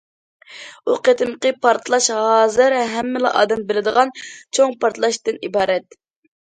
ئۇ قېتىمقى پارتلاش ھازىر ھەممىلا ئادەم بىلىدىغان« چوڭ پارتلاش» تىن ئىبارەت.